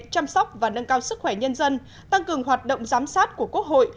chăm sóc và nâng cao sức khỏe nhân dân tăng cường hoạt động giám sát của quốc hội